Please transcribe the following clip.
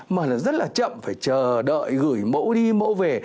mà rất là chậm phải chờ đợi gửi mẫu đi mẫu về